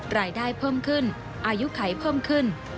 รายได้เพิ่มขึ้นอายุไขเพิ่มขึ้น